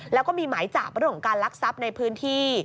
แล้วก็มีหมายจับเรื่องของการลักทรัพย์ในพื้นที่